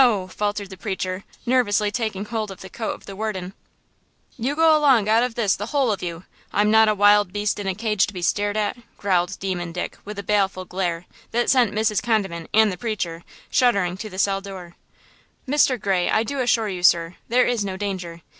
faltered the preacher, nervously taking hold of the coat of the warden. "You go along out of this the whole of you! I'm not a wild beast in a cage to be stared at!" growled Demon Dick with a baleful glare that sent Mrs. Condiment and the preacher, shuddering to the cell door. "Mr. Gray, I do assure you, sir, there is no danger!